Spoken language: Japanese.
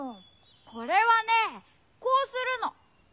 これはねこうするの。